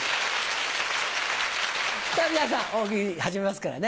さぁ皆さん大喜利始めますからね。